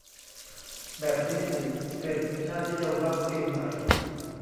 แบบนี้ถือเป็น ชาตินิยมวัคซีน ไหม